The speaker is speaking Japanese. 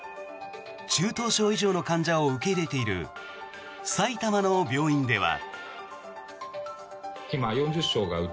中等症以上の患者を受け入れている埼玉の病院では。